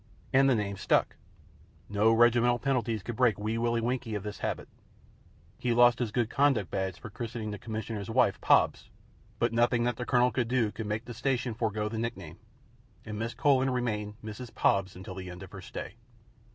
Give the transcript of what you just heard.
And the name stuck. No regimental penalties could break Wee Willie Winkie of this habit. He lost his good conduct badge for christening the Commissioner's wife "Pobs"; but nothing that the Colonel could do made the Station forego the nickname, and Mrs. Collen remained Mrs. "Pobs" till the end of her stay.